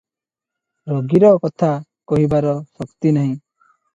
ରୋଗୀର କଥା କହିବାର ଶକ୍ତି ନାହିଁ ।